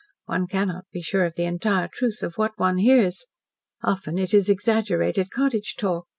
One cannot be sure of the entire truth of what one hears. Often it is exaggerated cottage talk.